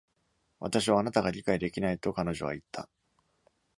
私はあなたが理解できない、と彼女は言った。